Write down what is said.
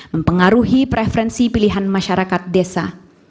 mempengaruhi preferensi pilihan masyarakat desa